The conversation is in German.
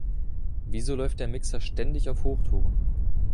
Wieso läuft der Mixer ständig auf Hochtouren?